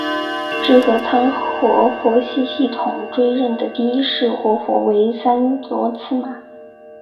智合仓活佛系统追认的第一世活佛为三罗喇嘛。